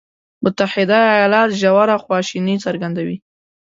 متحده ایالات ژوره خواشیني څرګندوي.